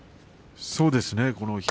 そうですね。